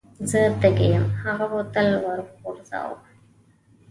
زه تږی یم هغه بوتل ور وغورځاوه.